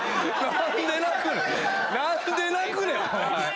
何で泣くねん！